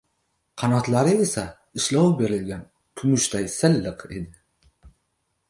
qanotlari esa ishlov berilgan kumushday silliq edi.